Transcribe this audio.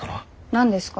何ですか？